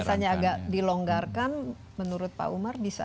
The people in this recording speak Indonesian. kalau misalnya agak dilonggarkan menurut pak umar bisa